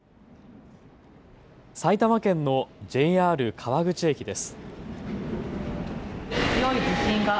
埼玉県のＪＲ川口駅です。